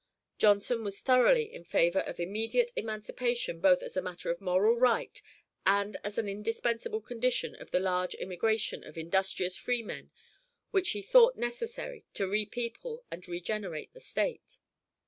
Johnson was thoroughly in favor of immediate emancipation both as a matter of moral right and as an indispensable condition of the large immigration of industrious freemen which he thought necessary to repeople and regenerate the State.